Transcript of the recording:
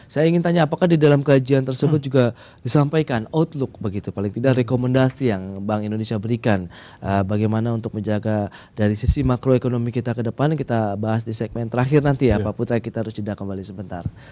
saya ingin tanya apakah di dalam kajian tersebut juga disampaikan outlook begitu paling tidak rekomendasi yang bank indonesia berikan bagaimana untuk menjaga dari sisi makroekonomi kita ke depan kita bahas di segmen terakhir nanti ya pak putra kita harus jeda kembali sebentar